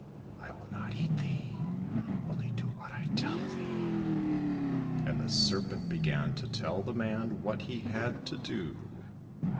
I will not eat thee ; only do what I tell thee !" And the Serpent began to tell the man what he had to do.